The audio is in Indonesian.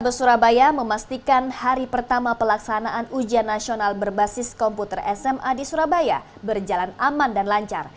gubernur surabaya memastikan hari pertama pelaksanaan ujian nasional berbasis komputer sma di surabaya berjalan aman dan lancar